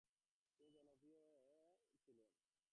তিনি অজনপ্রিয় ছিলেন।